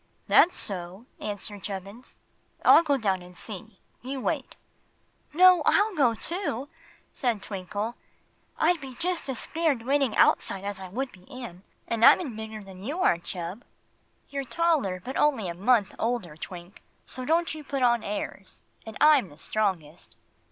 "That's so," answered Chubbins. "I'll go down and see. You wait." "No; I'll go too," said Twinkle. "I'd be just as scared waiting outside as I would be in. And I 'in bigger than you are, Chub." "You're taller, but you're only a month older, Twink; so don't you put on airs. And I'm the strongest."